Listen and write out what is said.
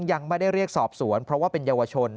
ยังไม่ได้เรียกสอบสวนเพราะว่าเป็นเยาวชน